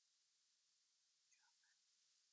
友谊日近年来变得非常热门。